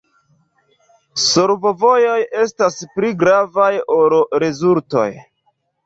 Solvovojoj estas pli gravaj ol rezultoj.